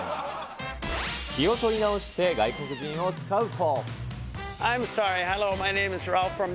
気を取り直して、外国人をスカウト。